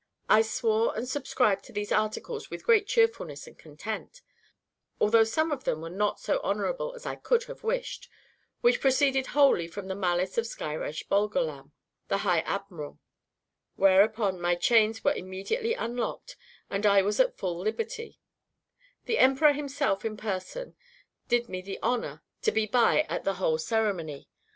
I swore and subscribed to these articles with great cheerfulness and content, although some of them were not so honorable as I could have wished; which proceeded wholly from the malice of Skyresh Bolgolam, the high admiral; whereupon my chains were immediately unlocked, and I was at full liberty; the emperor himself in person did me the honor to be by at the whole ceremony.